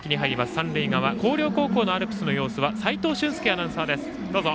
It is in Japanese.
三塁側、広陵高校のアルプスは齋藤舜介アナウンサーです。